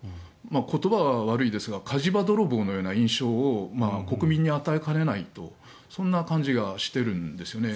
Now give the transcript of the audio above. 言葉は悪いですが火事場泥棒のような印象を国民に与えかねないとそんな感じがしてるんですね。